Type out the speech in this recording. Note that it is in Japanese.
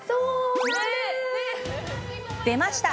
出ました！